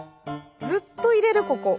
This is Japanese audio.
ずっといれるここ。